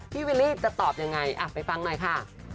พี่วิลลี่จะตอบอย่างไรอ่ะไปฟังหน่อยค่ะ